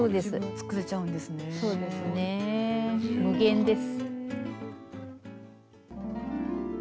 無限です。